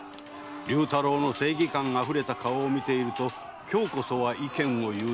「竜太郎の正義感あふれた顔を見ていると“今日こそは意見を言うぞ”